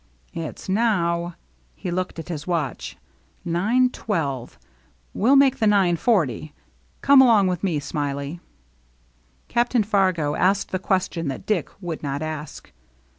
"It's now —" he looked at his watch — "nine twelve. We'll make the nine forty. Come along with me. Smiley." Captain Fargo asked the question that Dick would not ask.